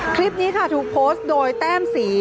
คลิปนี้ค่ะถูกโพสต์โดยแต้มสี